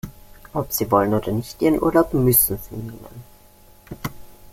Ob Sie wollen oder nicht, Ihren Urlaub müssen Sie nehmen.